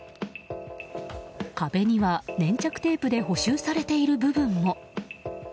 壁には粘着テープで補修されている部分も。